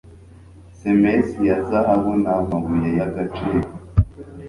Semes ya zahabu namabuye yagaciro